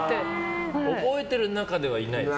覚えてる中ではいないですか。